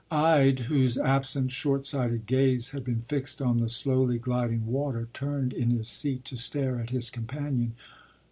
” Ide, whose absent short sighted gaze had been fixed on the slowly gliding water, turned in his seat to stare at his companion.